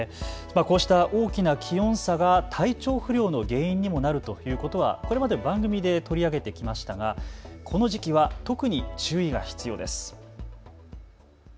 こうした大きな気温差が体調不良の原因にもなるということはこれまでも番組で取り上げてきましたがこの時期は特に注意が必要です。